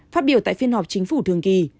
phát biểu tại phiên họp chính phủ thường kỳ